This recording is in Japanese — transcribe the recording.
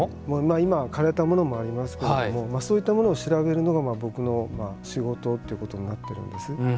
今はかれたものもありますけれどもそういったものを調べるのが僕の仕事ということになっているんです。